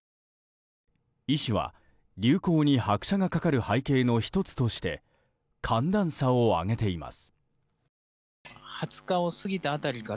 医師は、流行に拍車がかかる背景の１つとして寒暖差を挙げています。